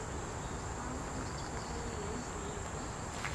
ئاۋۇ رۇسچە خەتنىڭ مەنىسى نېمىدۇ؟